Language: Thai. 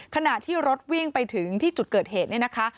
ขณะที่รถวิ่งไปถึงที่จุดเกิดเหตุเนี่ยนะคะ